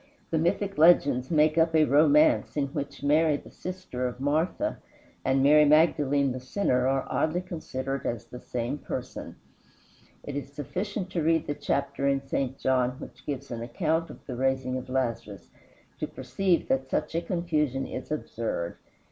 The mythic legends make up a romance in which Mary the sister of Martha and Mary Magdalene the sinner are oddly considered as the same person. It is sufficient to read the chapter in St. John which gives an account of the raising of Lazarus, to perceive that such a confusion is absurd.